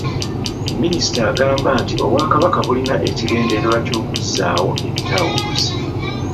Minisita agamba nti Obwakabaka bulina ekigendererwa ky'okuzzaawo ebitaawuluzi